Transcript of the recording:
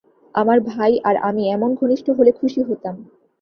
আমার ভাই আর আমি এমন ঘনিষ্ঠ হলে খুশি হতাম।